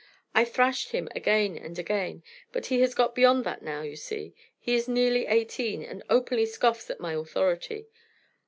I thrashed him again and again, but he has got beyond that now, you see; he is nearly eighteen, and openly scoffs at my authority.